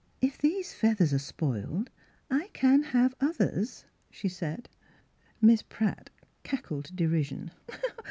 " If these feathers are spoiled I can have others," she said. Miss Pratt cackled derision.